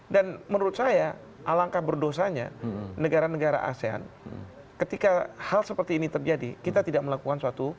dan menurut saya alangkah berdosanya negara negara asean ketika hal seperti ini terjadi kita tidak melakukan suatu